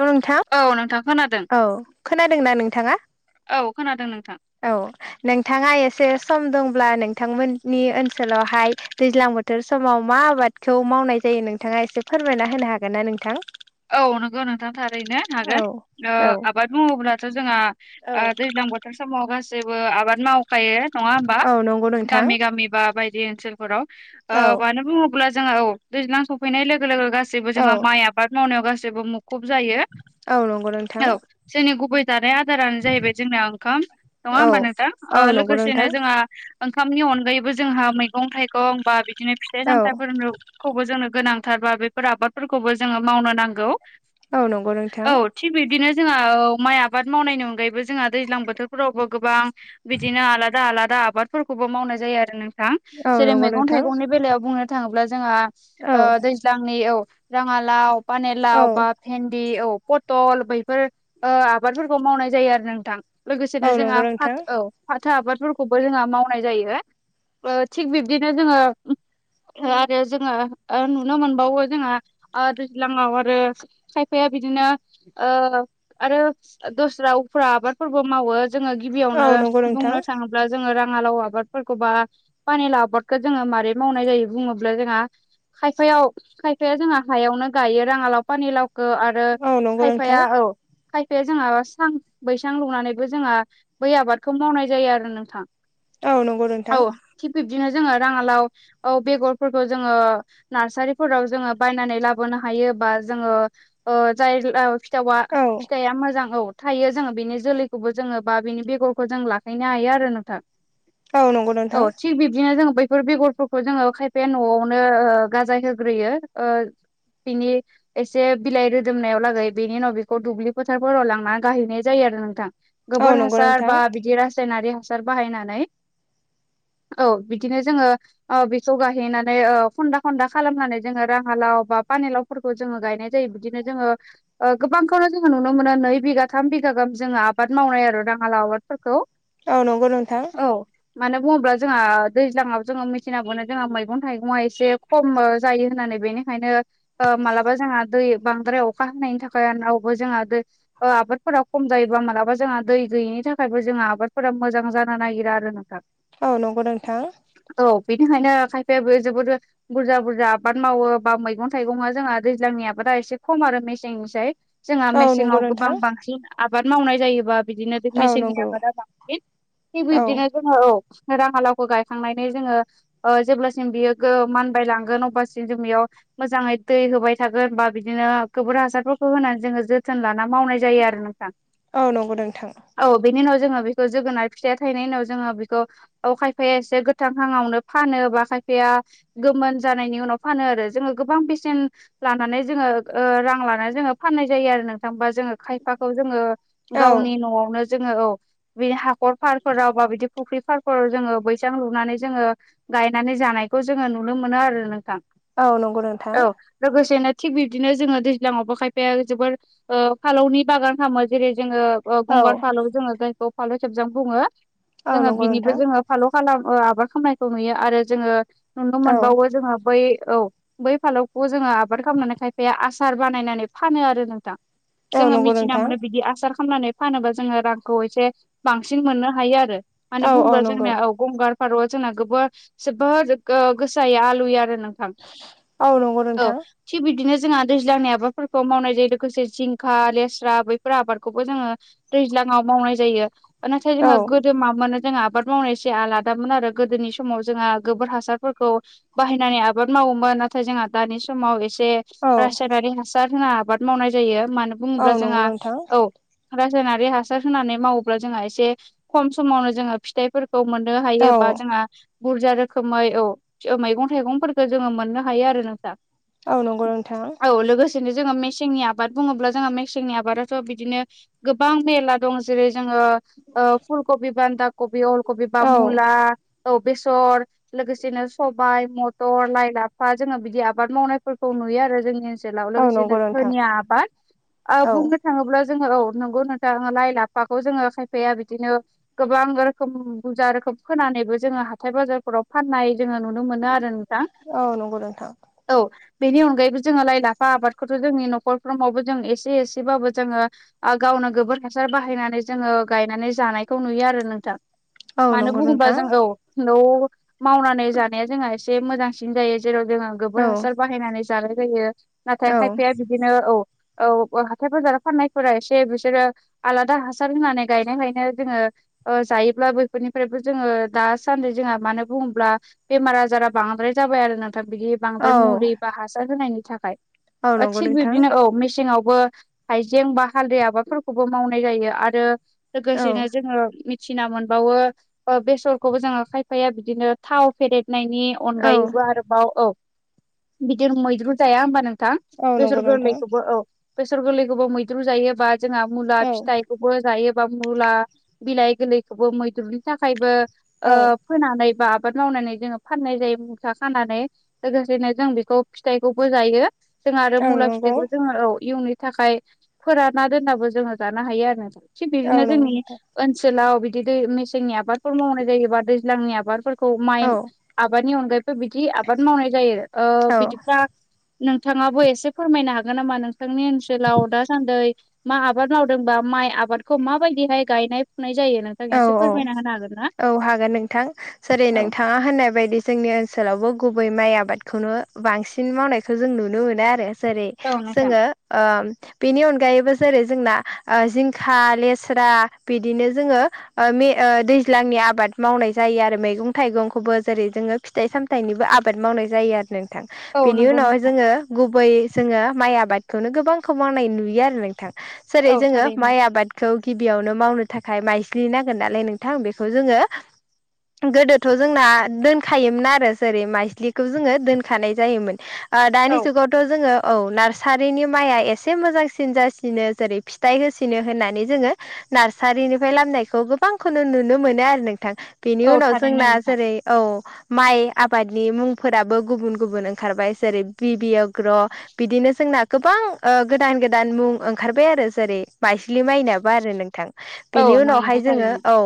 औ नोंथां औ नोंथां खोनादों औ खोनादोंना नोंथाङा? औ खोनादों नोंथां औ नोंथाङा एसे सम दंब्ला नोंथांमोननि ओनसोलावहाय दैज्लां बोथोर समाव मा आबादखौ मावनाय जायो नोंथाङा एसे फोरमायना होनो हागोन ना नोंथां। औ नंगौ नोंथां थारैनो औ हागोन ओ औ आबाद मावोब्लाथ' जोंहा आ औ दैज्लां बो थोर समाव गासैबो आबाद मावखायो। नङा होमबा नंगौ नोंथां गामि गामि बा बायदि ओनसोलफोराव ओ औ मानो बुङो अब्ला जोङो औ दैज्लां सफैनाय लोगो लोगो गासैबो औ जोंहा माइ आबाद मावनायाव गासैबो मु खब जायो औ नंगौ औ नोंथां जोंनि गुबै जानाय आदारानो जाहैबाय जोंना ओंखाम नङा औ होमबा नोंथां ओ औ नंगौ लोगोसेनो नोंथां जोंहा ओंखामनि अनगायैबो जोंहा मैगं थाइगं बा बिदिनो फिथाइ औ सामथाइफोरनो खौबो जोंनो गोनांथार बा बेफोर आबादफोरखौबो जोङो मावनो नांगौ। औ नंगौ नोंथां। औ थिग बिब्दिनो जोंहा औ माइ आबाद मावनायनि अनगायैबो जोंहा दैज्लां बोथोरफोरावबो गोबां बिदिनो आलादा आलादा आबादफोरखौबो मावनाय जायो आरो नों थां औ जेरै नंगौ मैगं नोंथां थाइगंनि बेलायाव बुंनो थाङोब्ला जोंहा औ ओ दै ज्लांनि औ राङा लाव औ पानिलाव बा भेन्दि औ प टल बैफोर ओ आबादफोरखौ मावनाय जायो आरो नोंथां औ लोगोसेनो नंगौ जोंहा नोंथां फाथ औ फाथो आबादफोरखौबो जोङो मावनाय जायो ओ थिग बिब्दिनो जोङो आरो जोङो ओ नुनो मोनबावो जोंहा ओ दैज्लांआव आरो खायफाया बिदिनो ओ आरो दस्रा उफ्रा आबादफोरबो मावो जोङो औ गिबियावनो नंगौ नोंथां बुंनो थाङोब्ला जोङो राङालाव आबादफोरखौबा पानिलाव आबादखौ जोङो मारै मावनाय जायो बुङोब्ला जोंहा खायफायाव खायफाया जोंहा हायावनो गायो राङा लाव फानि लावखौ आरो औ नंगौ नोंथां खायफाया औ खायफाया जोंहा सां बैसां लुनानैबो जोंहा बै आबादखौ मावनाय जायो आरो नोंथां। औ नंगौ औ नोंथां। थिग बिबदिनो जोङो राङालाव औ बेगरफोरखौ जोङो नारसारिफोराव जोङो बायनानै लाबो बोनो हायो बा जोङो ओ जाय औ फिथावा औ फिथाइया मोजां औ थायो जोङो बेनि जोलैखौबो जोङो बा बिनि बेगरखौ जों लाखैनो हायो आरो नोंथां। औ नंगौ औ नोंथां थिग बिब्दिनो जोङो बैफोर बेगर फोरखौ जोङो खायफाया न'आवनो ओ गाजाय होग्रोयो ओ बिनि एसे बिलाइ रोदोमनायाव लागै बेनि उनाव बेखौ दुब्लि फोथारफोराव लांनानै गायहैनाय जायो आरो नोंथां। औ गोबोर नंगौ हासार नोंथां बा बिदि रासायनारि हासार बाहायनानै औ बिदिनो जोङो ओ बेखौ गायहैनानै औ खन्दा खन्दा खालामनानै जोङो राङालाव बा पानिलावफोरखौ जोङो गायनाय जायो बिदिनो जोङो ओ गोबांखौनो जोङो नुनो मोनो नै बिघा थाम बिगा गाहाम जोङो आबाद मावनाय आरो राङालाव आबादफोरखौ। औ नंगौ नोंथां। औ मानो बुङोब्ला जोंहा दैज्लांआव जोङो मिथिना मोनो जोंहा मैगं थाइगङा एसे खमो जायो होननानै बेनिखायनो ओ मालाबा जोंहा दै बांद्राय अखा हानायनि थाखायावबो जोंहा दै ओ आबादफोरा खम जायोबा मालाबा जोंहा दै गैयिनि थाखायबो जोंहा आबादफोरा मोजां जानो नागिरा। [unintelligible] नोंथां। औ नंगौ नोंथां। औ बिनिखायनो खायफायाबो जोबोर बुरजा बुरजा आबाद मावो बा मैगं थाइगङा जोंहा दैज्लांनि आबादा एसे खम आरो मेसेंनिसाय जोंहा औ नंगौ मेसेंआव गोबां नोंथां बांसिन आबाद मावनाय जायोबा बिदिनो औ मेसेंनि नंगौ आबादा बाबसिन थिग औ बिदिनो जोङो औ रां हालावखौ गायखांनानै जोङो। ओ जेब्लासिम बियो गो मानबाय लांगोन अब्लासिम जों बेयाव मोजाङै दै होबाय थागोन बा बिदिनो गोबोर हासारफोरखौ होनानै जोङो जोथोन लाना मावनाय। जायो आरो नोंथां औ नंगौ नोंथां औ बेनि उनाव जोङो बेखौ जोगोनार फिथाइया थायनायनि उनाव जोङो बेखौ औ खायफाया एसे गोथां हाङावनो फानो बा खायफाया गोमोन जानायनि उनाव फानो आरो जोङो। गोबां बेसेन लानानै जोङो रां लानानै जोङो फाननाय जायो आरो। थांबा जोङो खायफाखौ जोङो औ गावनि न'आवनो जोङो औ। बि हाखर फारफोराव बा बिदि फुख्रि फारफोराव जोङो बैसां लुनानै जोङो। गायनानै जानायखौ जोङो नुनो मोनो आरो नोंथां। औ नंगौ नोंथां। औ लोगोसेनो थिग बिब्दिनो जोङो दैज्लाांवबो खायफाया जोबोर फालौनि बागान खालामामो जेरै जोङो औ गंगार फालो जोङो दैखौ फालौ खेबजां बुङो औ जोङो नंगौ बिनिबो नोंथां जोङो। फाल' खालाम आबाद खालामामनायखौ नुयो आरो जोङो नुनो औ मोनबावो जोङो बै औ बै फालौखौ जोङो आबाद खालामनानै खायफाया आसार बानायनानै फानो आरो नोंथां। औ जोङो नंगौ मिथिना नोंथां मोनो बिदि आसार खालामनानै। फानोबा जोङो रांखौ एसे बांसिन मोननो हायो आरो मानो औ औ बुङोबा नंगौ जोंनियाव गंगार फारौआव जोंना गोबोर जोबोद गोसायै आलुयो आरो नोंथां। औ नोंगौ औ थिग बिदिनो जोंहा दैज्लांनाय आबादफोरखौ मावनाय जायो लोगोसे जिंखा लेस्रा बैफोर आबादखौबो जोङो। दैज्लाङाव मावनाय जायो नाथाय औ जोंहा गो जों मा मोनो जों आबाद मावनायसे आलादामोन आरो गोदोनि समाव जोंहा गोबोर हासारफोरखौ। बायनानि आबाद मावोमोन। नाथाय जोंहा दानि समाव एसे औ रासायनारि हासार होना आबाद मावनाय जायो मानो। औ बुङोब्ला नंगौ जोंहा नोंथां औ। रासायनारि हासार होनानै मावोब्ला जोंहा एसे खम समावनो जोङो फिथाइ। मोननो औ हायो बा जोंहा बुरजा रोखोमै औ मैगं थाइगंफोरखौ जोङो मोननो। थायो औ नंगौ नोंथां औ लोगोसेनो जोङो मेसेंनि आबाद बुङोब्ला जोंहा मेसेंनि आबादाथ' बिदिनो गोबां मेरला। दं जेरै जोङो फुलकबि बान दा कबि अलकबि बा औ मुलाह औ बेसर लोगोसेनो सबाय मथर लाइ लाफ जोङो बिदि आबाद मावनायफोरखौ नुयो आरो जोंनि। औ लोगोसेनो नंगौ नोंथां धनिया आबाद औ बुंनो। थाङोब्ला जोङो औ नंगौ नोंथां लाइ लाफाखौ जोङो खायफाया बिदिनो। गोबां रोखोम बुरजा रोखोम फोनानैबो जोङो हाथाय बाजारफोराव फाननाय जोङो नुनो मोनो आरो। था औ नंगौ नोंथां औ बेनि अनगायैबो जोङो लाइ लाफा आबादखौथ' जोंनि न'खरफ्रावबो जों एसे एसेबाबो जोङो। गावनो गोबोर हासार बाहायनानै जोङो गायनानै जानायखौ नुयो आरो नोंथां औ मानो नंगौ बुंबा नोंथां जों औ न' मावनानै जानाया जोंहा एसे मोजांसिन जायो जेराव जोङो गोबोर औ हासार बा बाहायनानै जानाय जायो नाथाय औ खायफाया बिदिनो औ औ हाथायफोर बाजार फाननायफोरा एसे बिसोरो आलादा हासार होनानै गायनाय गायनो जोङो जायोब्ला बैफोरनिफ्रायबो जोङो दासान्दै जोंहा मानो बुङोब्ला बेमार आजारा बांद्राय जाबाय आरो नोंथां बिदि बांद्राय औ मुलि बा हासार होनायनि थाखाय औ नंगौ थिग नोंथां बिबदिनो औ मेसेंआवबो हाइजें बा हालदै आबादफोरखौबो मावनाय जायो आरो औ लोगोसेनो जोङो फिना मोनबावो बेसरखौबो जोङो खायफाया बिदिनो थाव फेदेरनायनि औ अनगायै आरोबाव औ बिदिनो मैद्रु जाया होमबा नोंथां औ बेसर नंगौ नोंथां गोरलैखौबो औ बेसर गोरलै गोबाव मैद्रु जायोबा जोंहा मुला औ फिथाइखौबो जायो बा मुला बिलाइ गोरलैखौबो मैद्रुनि थाखायबो औ फोनानै बा आबाद मावनानै जोङो फाननाय जायो फिथा खानानै लोगोसेनो जों बेखौ फिथाइखौबो जायो जोंहा आरो औ मुला नंगौ फिथाइखौ जोङो औ इयुननि थाखाय फोराना दोननाबो जोङो जानो हायो आरो थिग औ बिदिनो नंगौ जोंनि नोंथां ओनसोलाव बिदि दै मेसेंनि आबादफोर मावनाय जायोबा दैज्लांनि आबादफोर खौ औ माइ आबादनि अनगायैबो बिदि आबाद मावनाय जायो ओ औ बिदिबा नोंथाङाबो एसे फोरमायनो हागोन नामा नोंथांनि ओनसोलाव दासान्दै मा आबाद मावदोंबा माइ आबादखौ माबायदिहाय गायनाय फुनाय जायो नों औ औ औ हागोन नोंथां जेरै औ नोंथाङा होननाय बायदि जोंनि ओनसोलावबो गुबै माइ आबादखौनो बांसिन मावनायखौ जों नुनो मोनो आरो जेरै औ नोंथां जोङो बेनि अनगायैबो जेरै जोंना जिंखा लेस्रा बिदिनो जोङो दैज्लांनि आबाद मावनाय जायो आरो मैगं थाइगंखौबो जेरै जोङो फिथाइ सामथाय फिथाइनिबो आबाद मावनाय जायो आरो नोंथां औ बेनि नंगौ उनावहाय नोंथां जोङो गुबैयै जोङो माइ आबादखौनो गोबांखौ मावनाय नुयो आरो नोंथां जेरै औ जोङो थारैनो माइ आबादखौ गिबियावनो मावनो थाखाय माइ फिसिनांगोन नालाय नोंथां बेखौ जोङो गोदोथ' जोंना दोनखायोमोन आरो जेरै माइस्लिखौ जोङो दोनखानाय जायोमोन दानि औ जुगाव थ' जोङो औ नार्सारिनि माइया एसे मोजांसिन जासिनो जेरै फिथाइ होसिनो होननानै जोङो नार्सारिनिफ्राय लामनायखौ गोबांखौनो नुनो मोनो आरो नोंथां बेनि औ उनाव थारैनो जोंना नोंथां जेरै औ माइ आबादनि मुंफोराबो गुबुन गुबुन ओंखारबाय जेरै बिबि अग्र बिदिनो जोंना गोबां गोदान गोदान मुं ओंखारबाय आरो जेरै माइस्लि माइनाबो आरो नोंथां औ बिनिवनाव हाय नंगौ थारैनो औ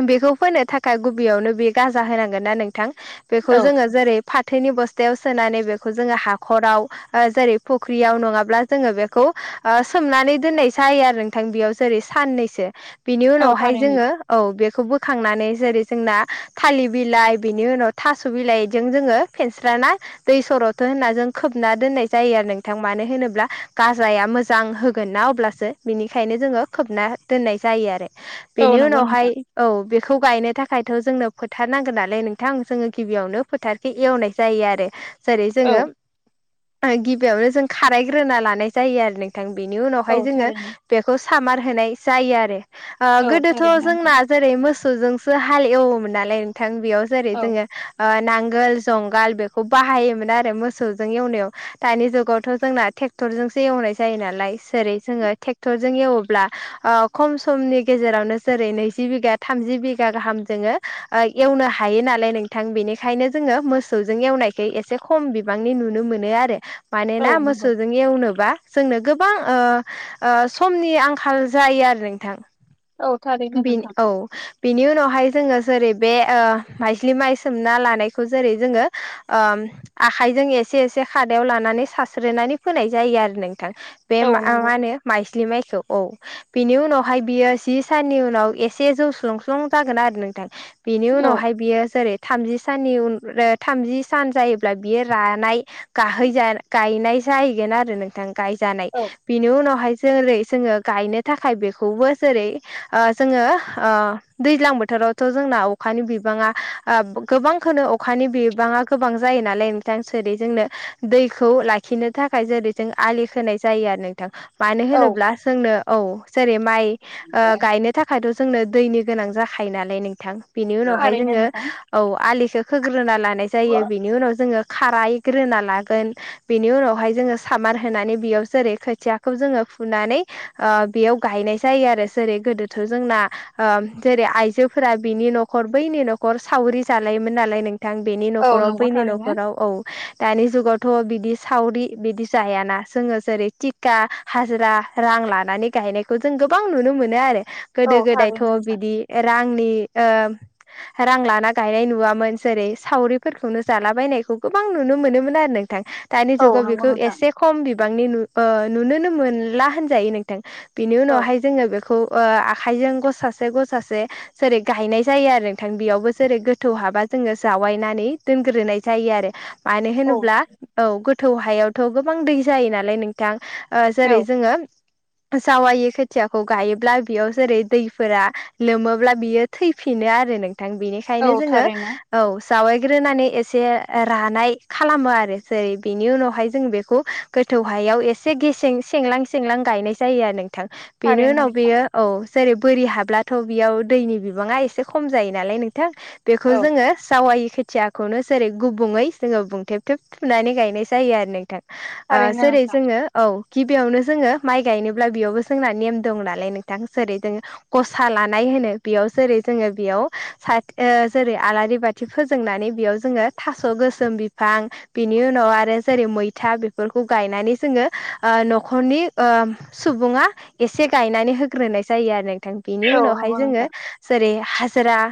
बेखौ फोननो थाखाय गुबैयावनो बे गाजा होनांगोन ना नों बेखौ औ जोङो जेरै फाथोनि बस्थायाव सोनानै बेखौ जोङो हाखराव जेरै फुख्रियाव नङाब्ला जोङो बेखौ सोमनानै दोननायसायो आरो नोंथां बेयाव जेरै साननैसो बिनि औ उनावहाय थारैनो जोङो औ बेखौ बोखांनानै जेरै जोंना थालिर बिलाइ बिनि उनाव थास' बिलाइजों जोङो फेनस्राना दै सरावथ' होनना जों खोबना दोननाय जायो आरो नोंथां मानो होनोब्ला गाजाया मोजां होगोन ना अब्लासो बिनिखायनो जोङो खोबना दोननाय जायो आरो औ बेनि नंगौ उनावहाय नोंथां औ बेखौ गायनो थाखायथ' जोंनो फोथार नांगोन नालाय नोंथां जोङो गिबियावनो फोथार एवनाय जायो आरो जेरै औ जोङो गिबियावनो जों खारायग्रोना लानाय जायो आरो न थां बेनि औ उनावहाय जोङो थारैनो बेखौ सामार होनाय जायो आरो औ गोदोथ' थारैनो नोंथां जोंना जेरै मोसौजोंसो हालएवोमोन नालाय नोंथां बेयाव जेरै औ जोङो नांगोल जुंगाल बेखौ बाहायोमोन आरो मोसौजों एवनायाव दानि जुगावथ' जोंनाे ट्रेक्टरजोंसो एवनाय जायो नालाय जेरै जोङो ट्रेक्टरजों एवोब्ला खम समनि गेजेरावनो जेरै नैजि बिघा थामजि बिघा गाहाम जोङो एवनो हायो नालाय नों थां बेनिखायनो जोङो मोसौजों एवनायखौ एसे खम बिबांनि नुनो मोनो आरो माने औ ना नंगौ मोसौजों एवनोबा जोंनो गोबां समनि आंखाल जायो आरो नोंथां औ थारैनो बे नोंथां औ बिनि उनावहाय जोङो जेरै बे माइस्लि माइ सोमना लानायखौ जेरै जोङो आखायजों एसे एसे खादायाव लानानै सारास्रोननानै फोनाय जायो आरो नोंथां बे औ मा नंगौ होनो माइस्लि माइखौ औ बिनि उनावहाय बियो जि साननि उनाव एसे जौस्लुंस्लुं जागोन आरो नोंथां बेनि औ उनावहाय बियो जेरै थामजि साननि उन थामजि सान जायोब्ला बियो रानाय गाहैज गायनाय जाहैगोन आरो नोंथां गायजानाय औ बिनि उनावहाय जेरै जोङो गायनो थाखाय बेखौबो जेरै जोङो दैज्लां बोथोरावथ' जोंना अखानि बिबाङा गोबांखौो अखानि बिबाङा गोबां जायो नालाय नोंथां सोरै जोंनो दैखौ लाखिनो थाखाय जेरै जों आलि होनाय जायोानो मानो औ होनोब्ला जोंनो औ जेरै माइ गायनो थाखायथ' जोंनो दैनि गोनां जाखायो नालाय नोंथां बेनि उनावहाय थारैनो जोङो नोंथां औ आलिखौ खोग्रोना लानाय जायो बिनि उनाव जोङो खारायग्रोना लागोन बेनि उनावहाय जोङो सामार होनानै बेयाव जेरै खोथियाखौ जोङो फुनानै बेयाव गायनाय जायो आरो जेरै गोदोथ' जोंना जेरै आयजोफोरा बिनि न'खर बैनि न'खर न'खर सावरि जालायोमोन नालाय नोंथां बेनि औ न'खराव नंगौ बैनि थारैनो न'खराव औ दानि जुगावथ' बिदि सावरि बिदि जायाना जोङो जेरै टिका हाजिरा रां लानानै गायनायखौ जों गोबां नुनो मोनो आरो औ गोदो गोदायथ' थारैनो नोंथां बिदि रांलि आ रां लाना गायनाय नुवामोन जेरै सावरिफोरखौनो जालाबायनायखौ गोबां नुनो मोनोमोन आरो नोंथां दानि औ जुगाव नंगौ बेखौ नोंथां एसे खम बिबांनिु नुनोनो मोनला होनजायो नोंथां बिनि औ उनावहाय जोङो बेखौ आखाइजों गस सासे ग सासे जेरै गायनाय जायो आरो नोंथां बेयावबो जेरै गोथौ हाबा जोङो जावायनानै दोनग्रोनाय जायो आरो मानो औ होनोब्ला औ गोथौ हायावथ' गोबां दै जायो नालाय नों बिथां जेरै औ जोङो जावाय खोथियाखौ गायोब्ला बेयाव जेरै दैफोरा लोमोब्ला बियो थैफिनो आरो नोंथां बेनिाय ओंखायनो औ जोङो थारैनो औ जावायग्रोनानै एसे रानाय खालामो आरो जेरै बेनि उनावहाय जों बेखौ गोथौ हायाव एसे गेसें सेंलां सेंलां गायनाय जायो आरो नोंथां बेनि थारैनो उनाव नोंथां बेयो औ जेरै बोरि हाब्लाथ' बेयाव दैनि बिबाङा एसे खम जायो नालाय नोंथां बेखौ औ जोङो सावाय खेथिया खौनो जेरै गुबुङै जोङो बुंथेबथेब थुनानै गायनाय जायो आरो नोंथां थारैनो जेरै नोंथां जोङो औ गिबियावनो जोङो माइ गायनोब्ला बेयावबो जोंना नेम दं नालाय नोंथां सेरै जोङो गसा लानाय होनो बेयाव जेरै जोङो बेयाव स जेरै आलारि बाथि फथि फोजोंनानै बेयाव जोङो थास' गोसोम बिफां बिनि उनाव आरो जेरै मैथा बेफोरखौ गायनानै जोङो न'खरनि सुबुङा एसे गायनानै होग्रोनाय जायो आरो नोंथां बेनि औ उनावहाय नंगौ नोंथां जोङो जेरै हाजिरा